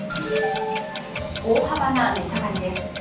大幅な値下がりです。